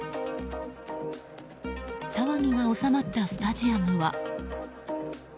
騒ぎが収まったスタジアムは。